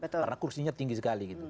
karena kursinya tinggi sekali